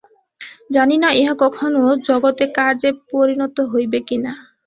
জানি না ইহা কখনও জগতে কার্যে পরিণত হইবে কিনা।